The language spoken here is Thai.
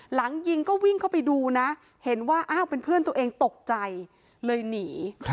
หลังยิงก็วิ่งเข้าไปดูนะเห็นว่าอ้าวเป็นเพื่อนตัวเองตกใจเลยหนี